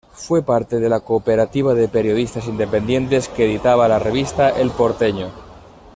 Fue parte de la Cooperativa de Periodistas Independientes que editaba la revista "El Porteño".